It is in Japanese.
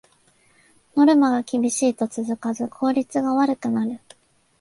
ノルマが厳しいと続かず効率が悪くなる